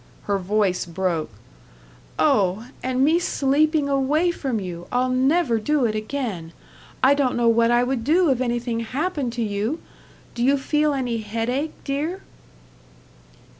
Her voice broke. "Oh, and me sleeping away from you! I'll never do it again. I don't know what I would do if anything happened to you.... Do you feel any headache, dear?"